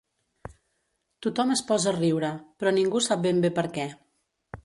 Tothom es posa a riure, però ningú sap ben bé per què.